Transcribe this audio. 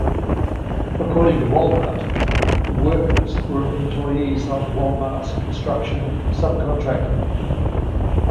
According to Walmart, the workers were employees of Walmart's construction subcontractor.